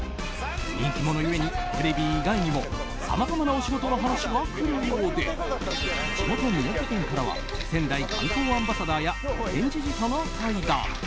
人気者故にテレビ以外にもさまざまなお仕事の話が来るようで地元・宮城県からは仙台観光アンバサダーや県知事との対談。